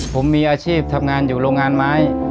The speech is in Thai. ผมมีอาชีพทำงานอยู่โรงงานไม้